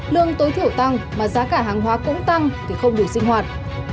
lương tối thiểu tăng mà giá cả hàng hóa cũng tăng thì không đủ sinh hoạt